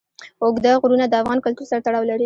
اوږده غرونه د افغان کلتور سره تړاو لري.